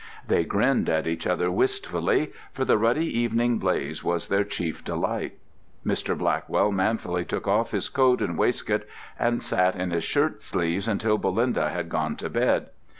They grinned at each other wistfully, for the ruddy evening blaze was their chief delight. Mr. Blackwell manfully took off his coat and waistcoat and sat in his shirtsleeves until Belinda had gone to bed.